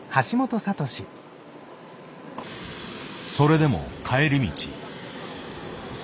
それでも帰り道。